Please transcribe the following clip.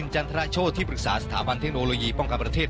คนเอกชะนินธรรณาโชที่ปรึกษาสถาบันเทคโนโลยีป้องกันประเทศ